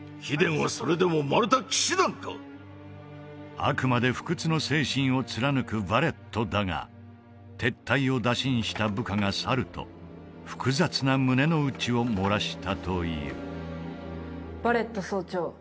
あくまで不屈の精神を貫くヴァレットだが撤退を打診した部下が去ると複雑な胸の内を漏らしたというヴァレット総長